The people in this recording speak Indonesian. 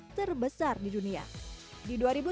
dan kebanyakan yang memiliki ikan hias yang berwarna hijau